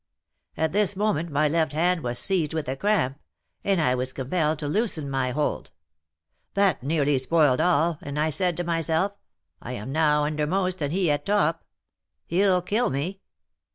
At this moment my left hand was seized with the cramp, and I was compelled to loosen my hold; that nearly spoiled all, and I said to myself, 'I am now undermost and he at top, he'll kill me.